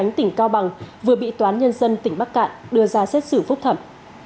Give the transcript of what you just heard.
tuy nhiên tỉnh cao bằng vừa bị toán nhân dân tỉnh bắc cạn đưa ra xét xử phúc thẩm